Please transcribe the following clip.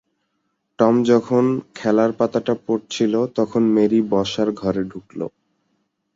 Tom যখন খেলার পাতাটা পড়ছিল তখন মেরি বসার ঘরে ঢুকল।